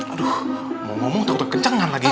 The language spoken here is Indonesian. aduh mau ngomong takut kencengan lagi